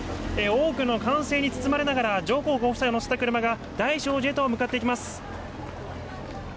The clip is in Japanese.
多くの歓声に包まれながら、上皇ご夫妻を乗せた車が、大聖寺へと向かっていきます。